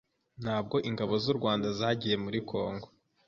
Ntabwo ingabo z’u Rwanda zagiye muri Congo